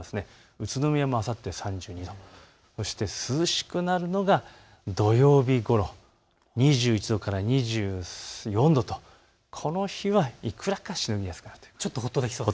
宇都宮もあさって３２度、そして涼しくなるのが土曜日ごろ、２１度から２４度と、この日はいくらかしのぎやすくなりそうです。